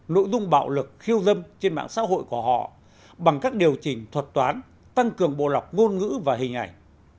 nội dung bạo lực khiêu dâm trên mạng xã hội của họ bằng các điều chỉnh thuật toán tăng cường bộ lọc ngôn ngữ và hình ảnh